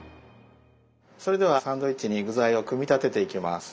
それではサンドイッチに具材を組み立てていきます。